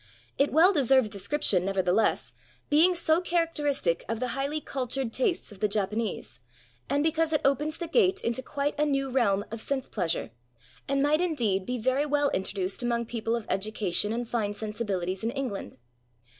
It well deserves descrip tion, nevertheless, being so characteristic of the highly cultured tastes of the Japanese, and because it opens the gate into quite a new realm of sense pleasure, and might, indeed, be very well introduced among people of education and fine sensibilities in England.